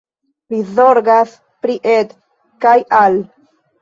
Li zorgas pri Ed kaj Al.